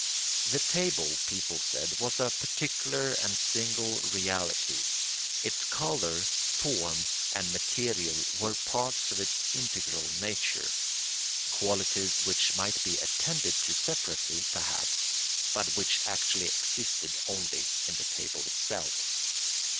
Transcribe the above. The table, people said, was a particular and single reality; its colour, form, and material were parts of its integral nature, qualities which might be attended to separately, perhaps, but which actually existed only in the table itself.